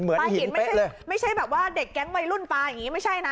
ไม่ใช่แบบว่าเด็กแก๊งวัยรุ่นปลาอย่างงี้